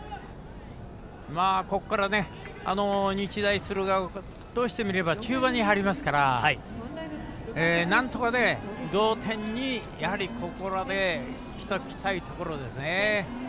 ここから日大鶴ヶ丘としてみれば中盤に入りますからなんとか、同点にここらでしたいところですね。